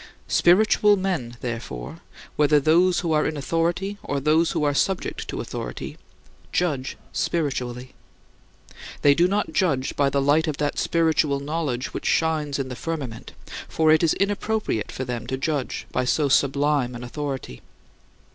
Spiritual men, therefore, whether those who are in authority or those who are subject to authority, judge spiritually. They do not judge by the light of that spiritual knowledge which shines in the firmament, for it is inappropriate for them to judge by so sublime an authority.